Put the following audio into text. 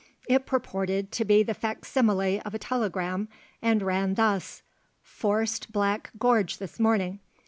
It purported to be the facsimile of a telegram and ran thus: _Forced Black Gorge this morning.